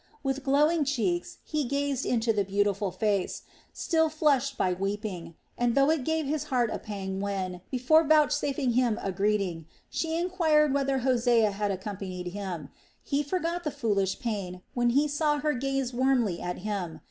With glowing cheeks he gazed into the beautiful face, still flushed by weeping, and though it gave his heart a pang when, before vouchsafing him a greeting, she enquired whether Hosea had accompanied him, he forgot the foolish pain when he saw her gaze warmly at him.